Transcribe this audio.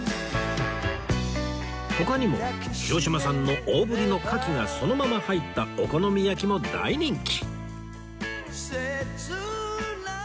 他にも広島産の大ぶりの牡蠣がそのまま入ったお好み焼きも大人気！